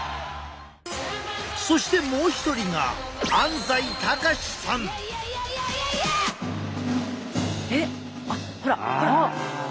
そしてもう一人がえっあっほらほら。